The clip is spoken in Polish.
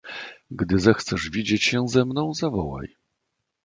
"Gdy zechcesz widzieć się ze mną, zawołaj."